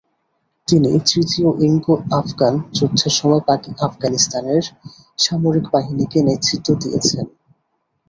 তিনি তৃতীয় ইঙ্গ-আফগান যুদ্ধের সময় আফগানিস্তানের সামরিক বাহিনীকে নেতৃত্ব দিয়েছেন।